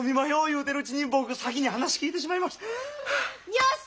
よし！